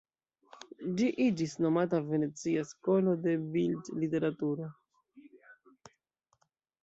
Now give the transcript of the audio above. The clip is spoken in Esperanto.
Ĝi iĝis nomata "venecia skolo de bildliteraturo".